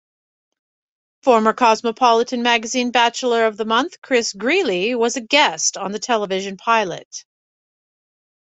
Former Cosmopolitan Magazine Bachelor-of-the-Month Chris Greeley was a guest on the television pilot.